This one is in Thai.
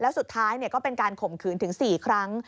แล้วสุดท้ายก็เป็นการข่มขืนถึง๔ครั้ง